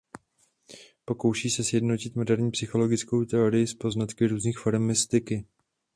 Pokouší se sjednotit moderní psychologickou teorii s poznatky různých forem mystiky.